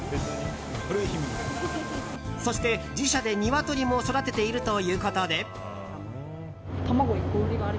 そして、自社でニワトリも育てているということで。